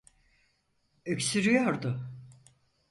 Öksürüyordu.